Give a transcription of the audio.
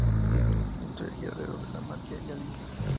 La historia gira alrededor de Mattia y Alice.